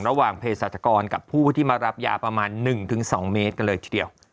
ระหว่างเพศรัชกรกับผู้ที่มารับยาประมาณ๑๒เมตรกันเลยทีเดียว